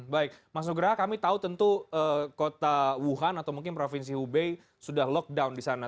baik mas nugraha kami tahu tentu kota wuhan atau mungkin provinsi hubei sudah lockdown di sana